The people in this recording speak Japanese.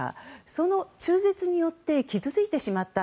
その中絶によって傷ついてしまった。